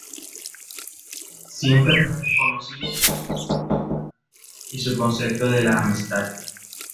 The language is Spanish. Siempre fue reconocido por su generosidad y su concepto de la amistad.